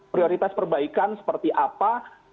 prioritas perbaikan seperti apa